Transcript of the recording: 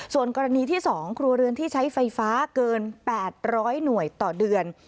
ส่วนกรณีที่๒ครัวเรือนที่ใช้ไฟฟ้าเกิน๘๐๐หน่วยต่อเดือน